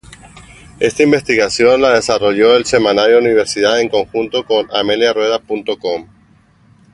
Esta investigación la desarrolló el Semanario Universidad en conjunto con ameliarueda.com.